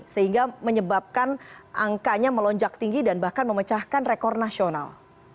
sehingga menyebabkan angkanya melonjak tinggi dan bahkan memecahkan rekor nasional